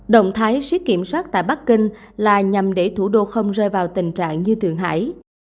động thái siết kiểm soát tại bắc kinh là nhằm để thủ đô không rơi vào tình trạng như thượng hải